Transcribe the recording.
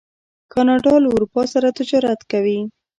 کاناډا له اروپا سره تجارت کوي.